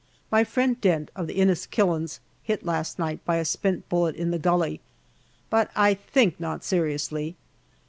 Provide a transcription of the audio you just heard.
My friend Dent, of the Inniskillings, hit last night by a spent bullet in the gully, but I think not seriously.